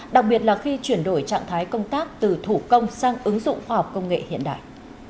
đặc biệt là khi chuyển đổi trạng thái công tác từ thủ công sang ứng dụng khoa học công nghệ hiện đại